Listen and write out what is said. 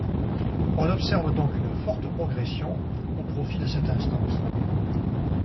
On observe donc une forte progression au profit de cette instance.